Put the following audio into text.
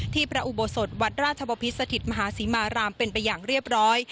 พระอุโบสถวัดราชบพิษสถิตมหาศรีมารามเป็นไปอย่างเรียบร้อย